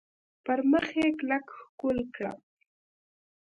پر مخ یې کلک ښکل کړم .